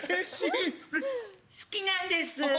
好きなんです。